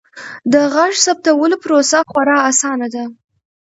د غږ ثبتولو پروسه خورا اسانه ده.